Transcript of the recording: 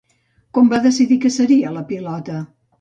Com va decidir que seria la pilota?